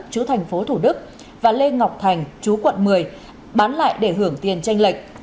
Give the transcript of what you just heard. chú thành phố thủ đức và lê ngọc thành chú quận một mươi bán lại để hưởng tiền tranh lệch